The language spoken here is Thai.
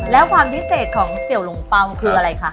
แล้วความพิเศษของเสี่ยวหลงเปล่าคืออะไรคะ